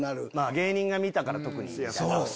芸人が見たから特にみたいな。